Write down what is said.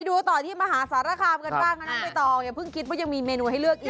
ดูต่อที่มหาสารคามกันบ้างนะน้องใบตองอย่าเพิ่งคิดว่ายังมีเมนูให้เลือกอีก